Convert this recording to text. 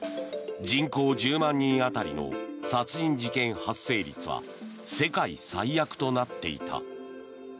人口１０万人当たりの殺人事件発生率は世界最悪となっていた。